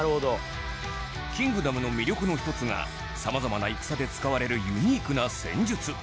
『キングダム』の魅力の一つが様々な戦で使われるユニークな戦術